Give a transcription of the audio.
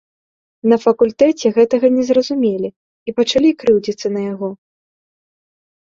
На факультэце гэтага не зразумелі і пачалі крыўдзіцца на яго.